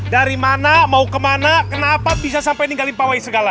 dari mana mau kemana kenapa bisa sampai ninggalin pawai segala